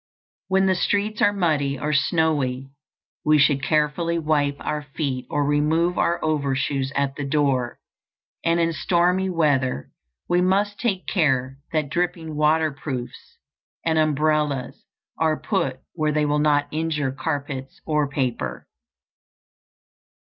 When the streets are muddy or snowy, we should carefully wipe our feet or remove our overshoes at the door; and in stormy weather we must take care that dripping waterproofs and umbrellas are put where they will not injure carpets or paper.